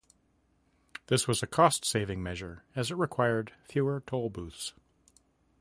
This was a cost-saving measure as it required fewer toll booths.